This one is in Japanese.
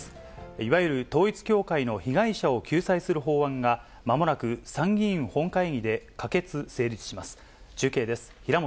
いわゆる統一教会の被害者を救済する法案が、まもなく参議院本会議で可決、成立します。